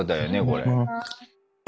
これ。